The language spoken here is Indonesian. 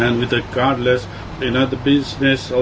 dan dengan kartu tidak ada bisnisnya